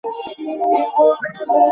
কতগুলো ইউনিভার্সে তুমি ভ্রমণ করেছো?